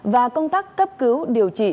và công tác cấp cứu điều trị